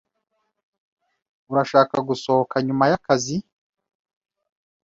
Urashaka gusohoka nyuma yakazi?